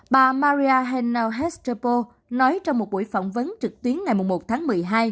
bà maria hena restrepo nói trong một buổi phỏng vấn trực tuyến ngày một tháng một mươi hai